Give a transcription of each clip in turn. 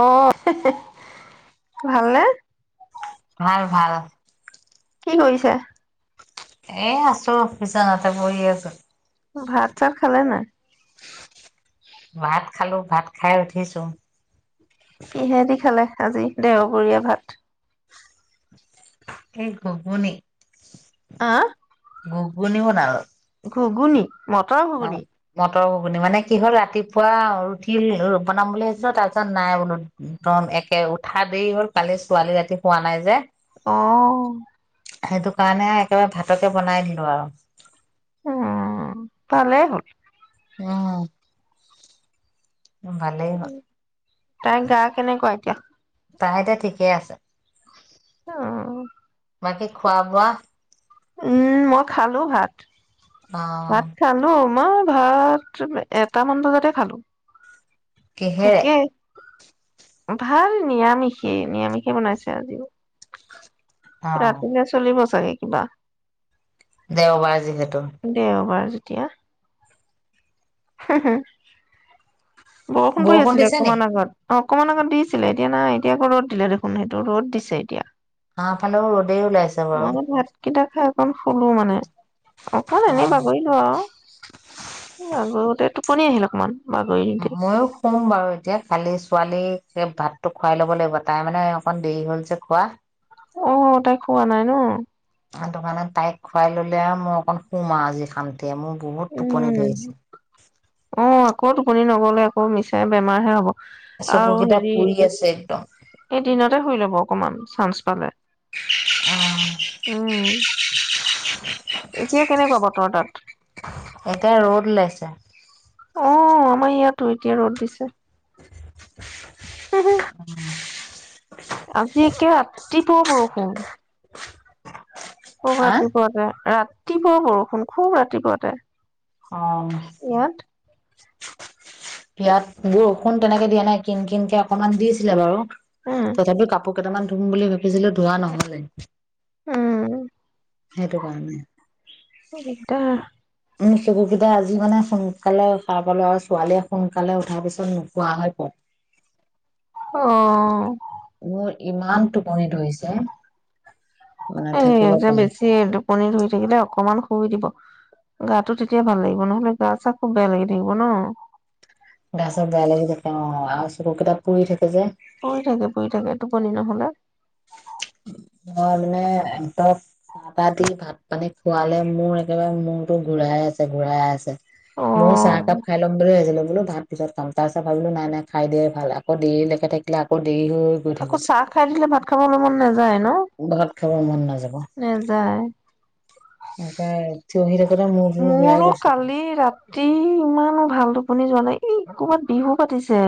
অ' ভালনে? ভাল ভাল। কি কৰিছে? এ' আছো। ফিছাতে বহি আছো। ভাত চাত খালেনে নাই? ভাত খালো, ভাত খাই উঠিছো। কিহেদি খালে আজি দেওবৰীয়া ভাত? এই ঘুগুনী। আঁ ঘুগুনি বনালো। ঘুগুনি? মটৰ ঘুগুনি। টৰ ঘুগুনী, মানে কি হ'ল ৰাতিপুৱা ৰুটি বনাম বুলি ভাবিছিলো তাৰপিছত নাই বোলো একে উঠা দেৰি হ'ল, কালি ছোৱালী ৰাতি শোৱা নাই যে। অ' সেইটো কাৰণে একেবাৰে ভাতকে বনাই দিলো আৰু। উম পালেই হ'ল। অ' উম ভালেই হ'ল। তাই গা কেনেকুৱা এতিয়া? তাই এতিয়া ঠিকেই আছে। উম, বাকী খোৱা বোৱা? উম মই খালো ভাত। অ ভাত খালো। আমাৰ ভাত, এটা মান বজাতে খালো। কিহেৰে [unintelligible] ভাল নিৰামিষেই নিৰামিষেই বনাইছে আজি। অ ৰাতিলে চলিব। কিবা? দেওবাৰ যিহেতু। এতিয়া হুহু বৰষুণ পৰি আছিলে দিছে নি অকমান আগত। অ', অক'মান আগত দিছিলে, এতিয়া নাই, এতিয়া আকৌ ৰ'দ দিলে দেখোন। সেইটো, ৰ'দ দিছে এতিয়া। আমাফালেও ৰ'দেই ওলাইছ বাৰু। [unintelligible] শুলোঁ মানে, অকন এনে অ', বাগৰিলো আৰু। [unintelligible] টোপনি আহিল অকণমান মইয়ো শুম বাৰু এতিয়া খালি ছোৱালী সে ভাতটো খুৱাই ল'ব লাগিব তাই মানে অকন দেৰি হল যে খোৱা অহ তাই খোৱা নাই ন? সেইটো কাৰণে তাইক খুৱাই ল'লে আৰু মই অকণ শুম আৰু আজি শান্তি এতিয়া মোৰ বহুত টোপনি উম অ ধৰিছে আকৌ টোপনি নগ'লে আকৌ মিছাই বেমাৰহে হ'ব চকু কেইটা পুৰি আছে একদম এ দিনতে শুই লব অকমান চান্স পালে আহ উম এতিয়া এতিয়া কেনেকুৱা বতৰ তাত ৰ'দ ওলাইছে অ আমাৰ ইয়াতো এতিয়া ৰ'দ দিছে হম হ আজি একে ৰাতিপুৱা বৰষুণ আহ ৰাতিপুৱাতে ৰাতি ৰাতিপুৱা বৰষুণ খুব ৰাতিপুৱাতে অ ইয়াত ইয়াত বৰষুণ তেনেকে দিয়া নাই কিন কিনকে অকনমান দিছিলে বাৰু উম তথাপি কাপ কাপোৰ কেইটামান ধুম বুলি ভাবিছিলো ধোৱা নহলে সেইটো কাৰণে উম দিগদাৰ উম সেইবোৰ কেইটা আজি মানে সোনকালে সাৰ পালো আৰু ছোৱালীয়ে সোনকালে উঠাৰ পিছত নোখোৱা হয় প আহ মোৰ ইমান টোপনি ধৰিছে মানে এ থাকিব যে পৰা নাই। বেছি টোপনি ধৰি থাকিলে অকমান শুই দিব গাটো তেতিয়া ভাল লাগিব নহলে গা চা খুব বেয়া লাগি থাকিব ন গা চব বেলেগি থাকে আৰু চকুকেইটা পুৰি থাকে যে পৰি থাকে পৰি থাকে টোপনি নহলে ন মই মানে একদম চাহ তাহ দি ভাত পানী খোৱালে মোৰ একেবাৰে মূৰতো ঘুৰাই আছে ঘুৰাই আছে অ মোৰ চাহ একাপ খাই ল'ম বুলি আহছিলো বোলো তাত পিছত কাম তাৰছো ভাবিলো নাই নাই খাই দিয় ভাল আকৌ দেৰিলৈকে থাকিলে আকৌ দেৰি হৈ গৈ আকো থাকিব। চাহ খাই দিলে ভাত মন নাযায় ন ভাত খাব মন নেযায় তাকে থিয় দিয় মোৰো কালি ৰাতি ইমানো ভাল [unintelligible] আপুনি যোৱানাই এই ক'বাত বিহু পাতিছে।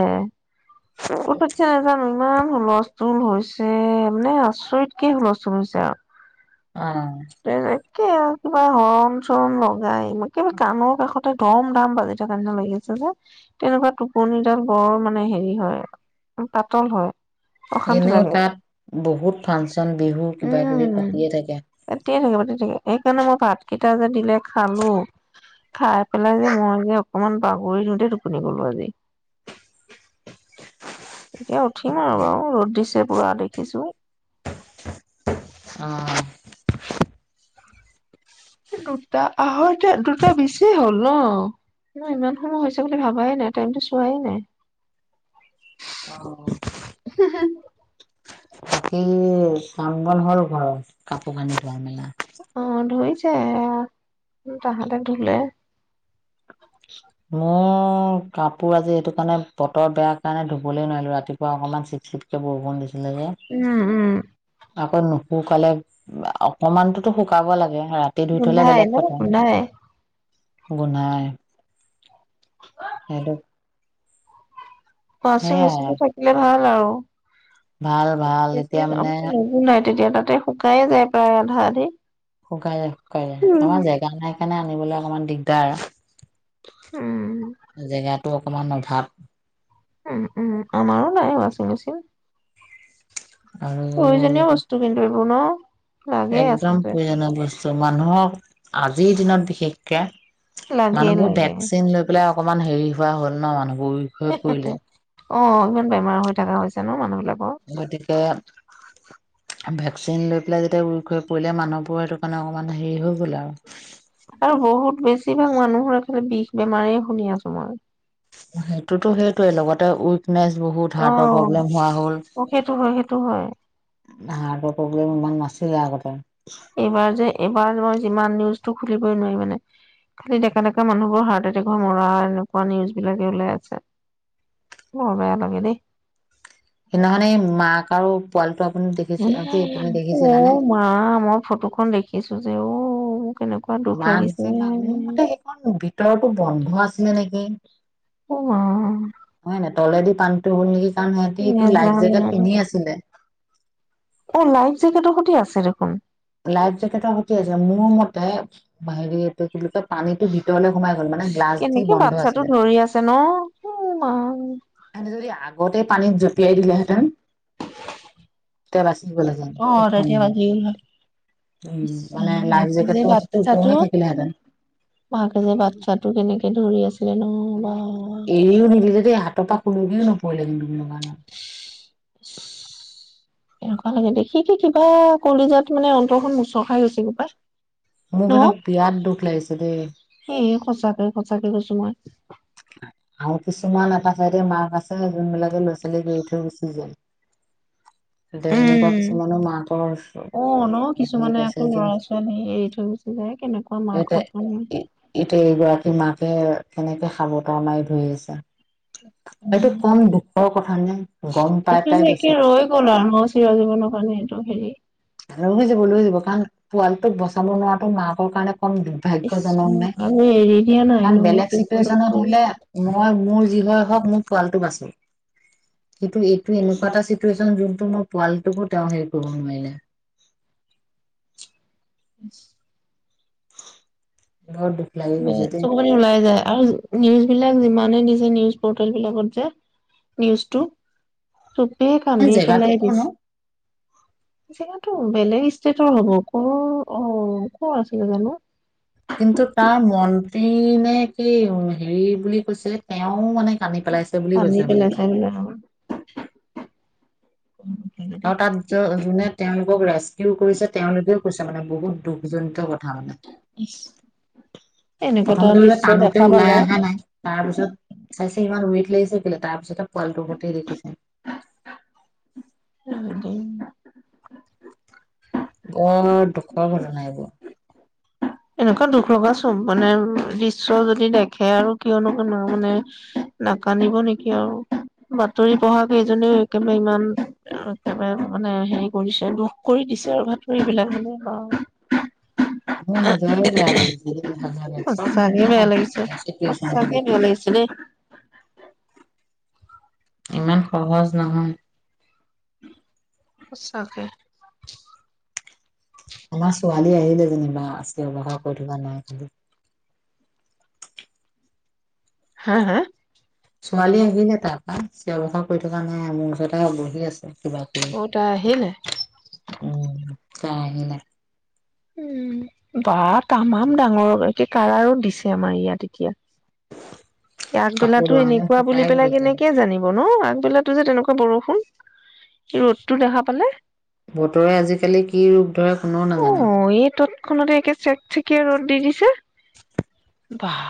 কত পাতিছে [unintelligible] জানো ইমান হুলস্থুল হৈছে, মানে আচৰিতকে হুলস্থুল হৈছে আৰু। অ' একে কিবা হৰণ-চৰণ লগাই, কিবা কাণৰ কাষতে, ধম-ধাম বাজি থাকাৰ নিচিনা লাগিছে চা, তেনেকুৱা টোপনিডাল বৰ মানে হেৰি হয়, পাতল হয়। অশান্তি এনেও লাগে তাত বহুত ফাংচন, বিহু কিবা কিবি উম। পাতিয়ে থাকে। [unintelligible] [unintelligible] থাকে সেইকাৰণে মই ভাত কেইটা যে দিলে খালোঁ, খাই পেলাই যে, মই যে, অকমান বাগৰি দিওঁতে টোপনি গলোঁ আজি। এতিয়া উঠিম আৰু বাৰু, ৰ'দ দিছে পুৰা দেখিছোঁ। অ'। দুটা আঢ়ৈটা দুটা বিচে হ'ল ন', মই ইমান সময় হৈছে বুলি ভাবাই নাই, টাইমটো চোৱাই নাই। অ', চংগল হ'ল ঘৰত, কাপোৰ কানি ধোৱা-মেলা। অঁ ধৰিছে, তাহাঁতে ধুলে। মোৰ কাপোৰ আজি এইটো কাৰণে, বতৰ বেয়া কাৰণে, ধুবলে নোৱাৰিলোঁ। ৰাতিপুৱা অকনমান চিট- চিটকে বৰষুণ দিছিল। তেনেকে উম উম আকৌ নুশুকালে, অকমানততো শুকাব লাগে। ৰাতি ধুই থলে গোন্ধাই বেলেগ ন', কথা গোন্ধাই। গোন্ধাই উমচ হেল ৱাচিং মেচিনটো থাকিলে ভাল। সেইটোৱে আৱ ভাল, ভাল এতিয়া মানে নুগুন্ধাই তেতিয়া তাতে শুকাই যায় প্ৰায় আধা আধি শুকাই অ', উম আমাৰ জেগা নাই কাৰণে আনিবলৈ অকমান দিগদাৰ উম জেগাত টো অকণমান অভাৱ উম, উম, আমাৰো নাই ৱাচিং মেচিন। আৰু প্ৰয়োজনীয় বস্তু কিন্তু এইবোৰ [unintelligible] ন লাগে একদম আচলতে প্ৰয়োজনীয় বস্তু । চ' মানুহক, আজিৰ দিনত, বিশেষকে লাগে মানুহবোৰ লাগে ভেকচিন লৈ পেলাই অকণমান হেৰি হোৱা হ'ল ন', মানুহ হে হে হে অ', ইমান বেমাৰ হৈ থকা হৈছে। [unintelligible] জানো মানুহবিলাক গতিকে ভেকচিন লৈ পেলাই যেতিয়া উইক হৈ পৰিলে মানুহবোৰৰ সেইটো কাৰণে অকমান হেৰি হৈ গ'ল আৰু। আৰু বহুত বেছি বেছিভাগ মানুহৰে খালি বিষ বেমাৰই শুনি আছোঁ মই। সেইটো তো সেইটোয়ে, লগতে উইক উইকনেচ বহুত। হাৰ্টৰ অ', প্ৰব্লেম হোৱা হ'ল। অ', সেইটো হয় সেইটো হয়। হাৰ্টৰ প্ৰব্লেম ইমান নাছ ইয়াৰ আগতে এইবাৰ যে, এইবাৰত মই যিমান নিউজ টো খুলিবই নোৱাৰি মানে। খালি ডেকা ডেকা মানুহবোৰৰ হাৰ্ট এটেক হৈ মৰাৰ এনেকুৱা নিউজ বিলাকে ওলাই আছে। বৰ বেয়া লাগে দেই। সেইদিনাখনে মাক আৰু পোৱালিটো আপুনি দেখিছে কি তুমি দেখিছিলানে অ' মা মই ফটোখন দেখিছো যে অ'- মোৰ কেনেকুৱা দুখ মাক লাগিছে। যে মাক। মোৰ মতে সেইখন ভিতৰতো বন্ধ আছিলে নেকি! [inaudible] [unintelligible] অ' মা! পানটো কাৰণ সিহঁতি এইটো লাইফ জেকেট নেজানো পিন্ধি আছিলে! এ' লাইফ জেকেটৰ সতি আছে দেখোঁন। লাই জেকেৰট সতি আছিলে। মোৰ মতে- হেৰি- এইটো কি বুলি কয় পানীটো ভিতৰলৈ সোমাই গ'ল মানে গ্লাছ দি কেনেকে বন্ধ বাচ্ছাটো আছিলে ধৰি আছে ন? উ' মা! সেহেঁতে যদি আগতে পানীত জঁপিয়াই দিলেহেঁতেন! তেতিয়া বাচি গ'লহেঁতেন অ খুব তেতিয়া বাচি সন্মুখত। গ'ল হয়। উম ইছ্‌ মানে ৰাম! লাইফ মাকে যে জেকেটটোতো বাচ্ছাটো! ওপঙি থাকিলেহেঁতেন মাকে যে বাচ্ছটো কেনেকে ধৰি আছে মানে এৰিও নিদিলে দেই! হাতৰ পৰা খুলকিও নগ পৰিলে কিন্তু নগান ইচ এনেকুৱা লাগে, দেখি কি কিবা কলিজাত মানে অন্তৰখন মুচৰ খাই গৈছে গৈ পাই! মোক ন কিন্তু বিৰাট দুখ লাগিছে দেই! এ সঁচাকে সঁচাকে কৈছো মই। আৰু কিছুমান এটা চাইডে মাক আছে, যোনবিলাকে ল'ৰা ছোৱালীক এৰি থৈ গুচি যায়। যে এনেকুৱা উম্‌- কিছুমানৰ মাকৰ অ' ন' উম, হেৰি কিছুমানে আছে আকৌ যোন ল'ৰা-ছোৱালী এৰি থৈ গুচি যায়, কেনেকুৱা মাকহঁ'ত মানে! তে এইগৰাকী মাকে কেনেকে সাবট তা মাৰি ধৰি আছে। এইটো কম দুখৰ কথা নে গম পাই এইটো পাই যে গৈছে একে ৰৈ গ'ল আৰু ন' চিৰ জীৱনৰ কাৰণে এইটো হেৰি? ৰৈ যাব লৈ যাব কাৰণ পোৱালিটোক বচাব নোৱাৰাটো মাকৰ কাৰণে কম ইচ দুৰ্ভাগ্যজনক নে? আৰু এৰি দিয়া নাই ন কাৰণ বেলেগ বিপদত চিটুৱেচনত পৰি হ'লে মই মোৰ যি হয় হওঁক, মোৰ পোৱালিটো বাচক। কিন্তু এইটো এনেকুৱা এটা চিটুৱেচন, যোনটো মোৰ পোৱালিটোকো তেওঁ হেৰি কৰিব নোৱাৰিলে। [unintelligible] [unintelligible] লাগি গৈছে দেই চকুপানী ওলাই যায়, আৰু নিউজ বিলাক যিমানে দি নিউজ পৰ্টেলবিলাকত যে, নিউজটো চবে এই কান্দি জেগাটো পেলাই কৰ দিছে। ন যিমান টো বেলেগ ষ্টেটৰ হ'ব, ক' অ' ক'ৰ আছিলে জানো। কিন্তু তাৰ মন্ত্ৰী নে কি, হেৰি বুলি কৈছে, তেওঁ মানে কান্দি পেলাইছে বুলি পানী কৈছে মানে। পেলাই [unintelligible] [unintelligible] আৰু তাত য-যোনে তেওঁলোকক ৰেস্কিউ কৰিছে তেওঁলোকেও কৈছে মানে, বহুত দুখজনিত কথা মানে। ইচ এনেকুৱা এটা প্ৰথমতে বোলে দৃশ্য টানোতে দেখা ওলাই পালে অহা নাই, তাৰপিছত চাইছে ইমান ৱেইট লাগিছে কে'লে, তাৰ পিছতহে পোৱালিটো স'তে দেখিছে। [unintelligible] বৰ দুখৰ ঘটনা এইবোৰ। এনেকুৱা দুখ লগা ছব-মানে দৃশ্য যদি দেখে আৰু কিয়নো কোনো মানে নাকান্দিব নেকি আৰু, বাতৰি পঢ়া কেইজনেও একেবাৰে ইমান, একেবাৰে মানে হেৰি কৰিছে, দুখ কৰি দিছে আৰু বাতৰিবিলাক মোৰ নিজৰে বেয়া সঁচাকে বেয়া সঁচাকে লাগিছে, বেয়া লাগিছে দেই ইমান সহজ নহয়। সঁচাকে। আমাৰ ছোৱালী আহিলে যেনিবা, চিঞৰ বাখৰ কৰি থকা নাই খালি। হা হা? ছোৱালী আহিলে তাৰপৰা, চিঞৰ বাখৰ কৰি থকা নাই আৰু, মোৰ ওচৰতে বহি আছে। কিবা কিবি, অ তাই আহিলে উম। তাই আহিলে। উম, বা তামাম ডাঙৰ, একে কাৰা ৰ'দ দিছে আমাৰ ইয়াত এতিয়া। কাপোৰ আগবেলাতো ধোৱা হেতেন এনেকুৱা বুলি শুকাই পেলাই গ'লহেতেন। কেনেকে জানিব ন? বেলাতো যে তেনেকুৱা বৰষুণ, কি ৰ'দটো দেখা পালে বতৰে আজিকালি কি ৰূপ ধৰে কোনেও নাজানে। খনতে একে চেক চেকিয়া ৰ'দ দি দিছে। বাঃ।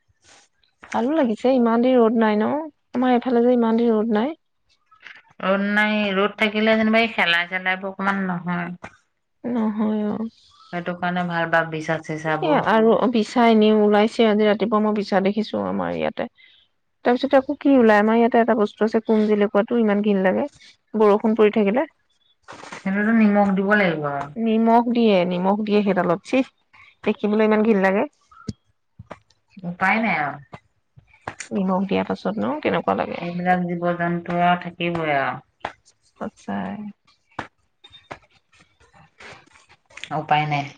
[unintelligible] ভালো লাগিছে ইমান দিন ৰ'দ নাই ন, আমাৰ এইফালে যে ইমান দিন ৰ'দ নাই। ৰ'দ নাই, ৰ'দ থাকিলে যেনিবা এই শেলাই-চেলাইবোৰ অকমান নহয়। নহয় অ'। সেইটো কাৰণে ভাল বা বিছ [unintelligible] বিছা এনেও ওলাইছে, আজি ৰাতিপুৱা মই বিছা দেখিছো আমাৰ ইয়াতে। তাৰপিছতে আকৌ কি ওলাই, আমাৰ ইয়াতে এটা বস্তু আছে কুমজেলেকুৱাটো, ইমান ঘিণ লাগে, বৰষুণ পৰি থাকিলে। সেইতোটো নিমখ দিব লাগিব । নিমখ দিয়ে নিমখ দিয়ে সেইডালত চিহ, দেখিবলৈ ইমান ঘিন লাগে । উপায় নাই আৰু । নিমখ দিয়াৰ পাছত নো কেনেকুৱা লাগে এইবিলাক জীৱ জন্তু আও থাক এইবোৰে [unintelligible] উপায় নাই ।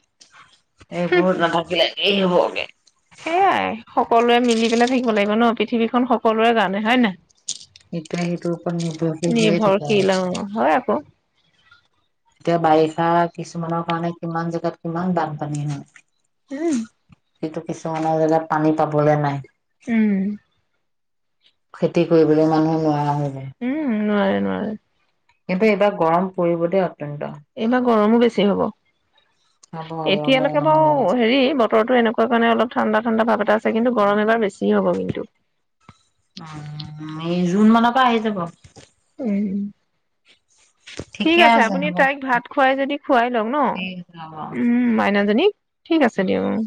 এই বহুত নাথাকিলে এই সেয়াই সকলোৱে মিলি পেলাই থাকিব লাগিব ন পৃথিৱীখন সকলোৱে জানে হয় নাই? এতিয়া সেইটো ওপৰত নিৰ্ভৰশীল হৈয়ে থাকে আৰু । উ এতিয়া বাৰিষা কিছুমানৰ কাৰণে কিমান জেগাত কিমান বানপানী হয় । উম । [inaudible] টো কিছুমানৰ জেগাত পানী পাবলে নাই উম। খেতি কৰিবলৈ মানুহ নোৱাৰা হয় [inaudible] উম নোৱাৰে নোৱাৰে । [inaudible] এইবাৰ গৰম পৰিব দেই অত্যন্ত এইবাৰ গৰমো বেছি হব হ'ব । হ'ব মই এতিয়ালৈকে অনুমান বাৰু লগাইছো। হেৰি বতৰতো এনেকুৱা কাৰণে অলপ ঠাণ্ডা ঠাণ্ডা ভাৱ এটা আছে কিন্তু গৰম এবাৰ বে [unintelligible] এই জুন মানৰ পৰা আহি যাব । উম । ঠিক ঠিকে আছে আপুনি হ'ব। তাইক ভাত খুৱাই যদি খুৱাই লওক ন ঠিক আছে হ'ব। উম মাইনাজীক । ঠিক আছে দিয়ক অ ।